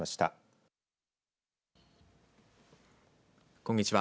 こんにちは。